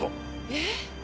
えっ？